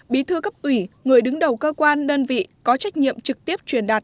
bí thư cấp ủy người đứng đầu cơ quan đơn vị có trách nhiệm trực tiếp truyền đạt